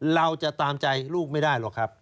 เราจะตามใจลูกไม่ได้หรอกครับ